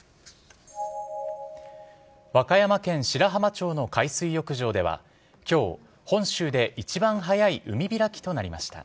和歌山県白浜町の海水浴場では、きょう、本州で一番早い海開きとなりました。